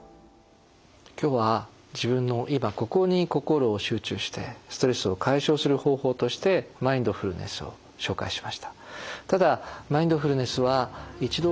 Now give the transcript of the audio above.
今日は自分の今・ここに心を集中してストレスを解消する方法としてマインドフルネスを紹介しました。